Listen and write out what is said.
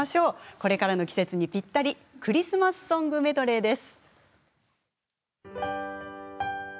これからの季節にぴったりクリスマスソングメドレーです。